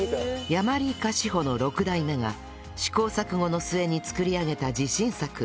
やまり菓子舗の六代目が試行錯誤の末に作り上げた自信作